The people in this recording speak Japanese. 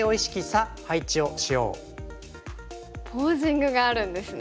ポージングがあるんですね。